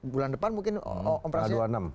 bulan depan mungkin om pras